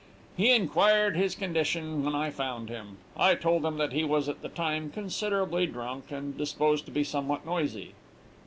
"He inquired his condition when I found him. I told him that he was at that time considerably drunk, and disposed to be somewhat noisy.